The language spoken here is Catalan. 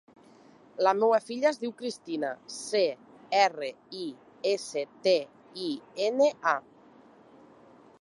La meva filla es diu Cristina: ce, erra, i, essa, te, i, ena, a.